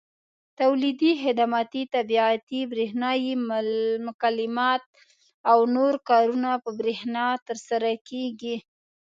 تولیدي، خدماتي، طباعتي، برېښنایي مکالمات او نور کارونه په برېښنا ترسره کېږي.